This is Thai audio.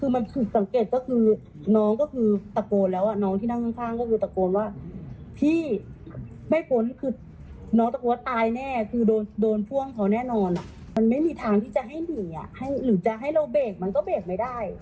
ไม่มีทางที่จะให้หนีหรือจะให้เราเบรกมันก็เบรกไม่ได้